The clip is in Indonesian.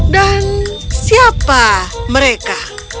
dan siapa mereka